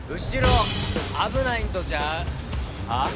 後ろ危ないんとちゃう？